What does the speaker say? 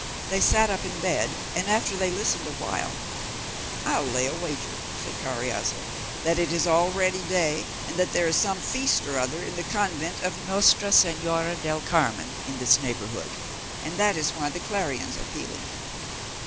They sat up in bed, and after they had listened awhile, "I'll lay a wager," said Carriazo, "that it is already day, and that there is some feast or other in the convent of Nostra Señora del Carmen, in this neighbourhood, and that is why the clarions are pealing."